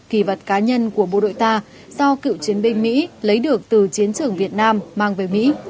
kỳ vật cá nhân của bộ đội ta do cựu chiến binh mỹ lấy được từ chiến trường việt nam mang về mỹ